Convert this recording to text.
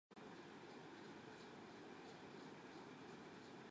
رمى الموت في عين التصبر بالدم